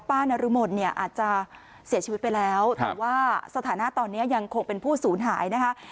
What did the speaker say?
นรมนเนี่ยอาจจะเสียชีวิตไปแล้วแต่ว่าสถานะตอนนี้ยังคงเป็นผู้ศูนย์หายนะคะ